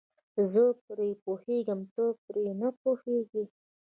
زه پرې پوهېږم ته پرې نه پوهیږې.